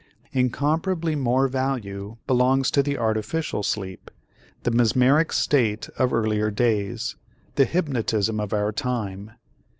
Incomparably more value belongs to the artificial sleep, the mesmeric state of earlier days, the hypnotism of our time.